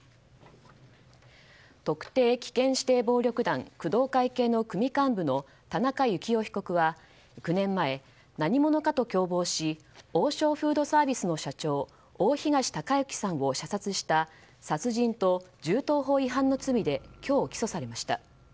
特定危険指定暴力団工藤会系の組幹部の田中幸雄被告は９年前何者かと共謀し王将フードサービスの社長大東隆行さんを射殺した殺人と銃刀法違反の罪で今日、起訴されました。